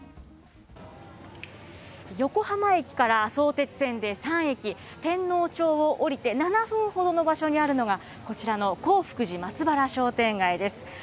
横浜駅から相鉄線で３駅、てんのう町を降りて７分ほどの場所にあるのが、こちらの洪福寺松原商店街です。